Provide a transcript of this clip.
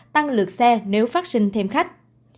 tăng lượt xe nếu phát sinh thêm khách